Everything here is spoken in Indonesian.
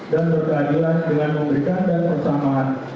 dan berperadilan dengan memberikan dan persamaan